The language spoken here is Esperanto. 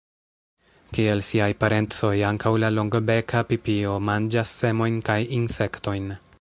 Kiel siaj parencoj, ankaŭ la Longbeka pipio manĝas semojn kaj insektojn.